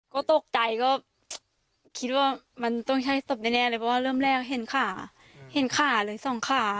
ก็ตกใจก็คิดว่ามันต้องใช่ศพแน่เลยเพราะว่าเริ่มแรกเห็นขาเห็นขาเลยสองขา